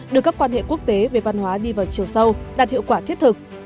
đưa các quan hệ quốc tế về văn hóa đi vào chiều sâu đạt hiệu quả thiết thực